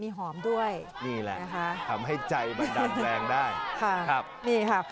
มีหอมด้วยมีแหละทำให้ใจมันดั่งแรงได้